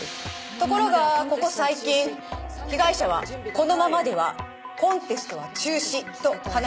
ところがここ最近被害者はこのままではコンテストは中止と話していたそうです。